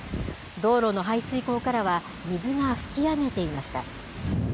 道路の排水溝からは水が噴き上げていました。